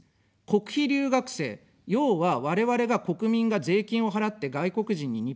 国費留学生、要は我々が、国民が税金を払って外国人に日本に来てもらう。